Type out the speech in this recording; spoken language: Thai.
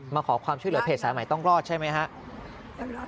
มาขอความช่วยเหลือเพจสายใหม่ต้องรอดใช่ไหมครับ